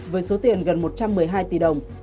với số tiền gần một trăm một mươi hai tỷ đồng